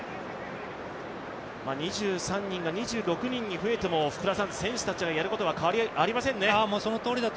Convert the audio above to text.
２３人が２６人に増えても選手たちがやることは変わりありませんね。